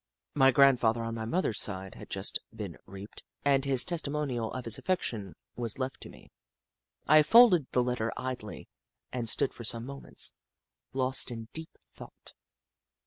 My grandfather on my mother's side had just been reaped, and this testimonial of his affection was left to me. I folded the 40 The Book of Clever Beasts letter idly and stood for some moments, lost in deep thought.